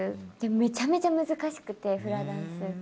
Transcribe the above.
めちゃくちゃ難しくて、フラダンス。